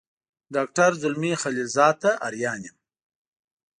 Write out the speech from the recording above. ډاکټر زلمي خلیلزاد ته حیران یم.